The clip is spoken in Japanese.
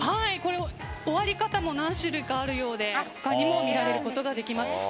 終わり方も何種類からあるようで他にも見られることができます。